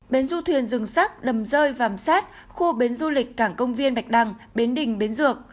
bến du thuyền rừng sát đầm rơi vàm sát khu bến du lịch cảng công viên bạch đăng bến đình bến dược